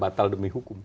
batal demi hukum